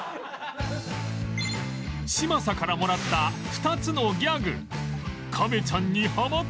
嶋佐からもらった２つのギャグ